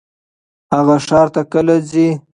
هغه ښار ته کله ځي؟